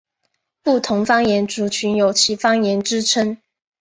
不同方言族群有其方言之称呼。